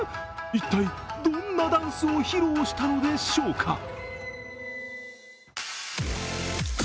一体どんなダンスを披露したのでしょうか。